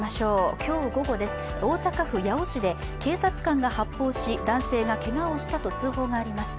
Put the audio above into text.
今日午後、大阪府八尾市で警察官が発砲し男性がけがをしたと通報がありました。